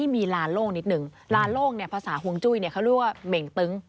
มีร้านโล่งนิดหนึ่งร้านโล่งเนี่ยภาษาฮวงจุ้ยเนี่ยเขาเรียกว่าเม่งตึง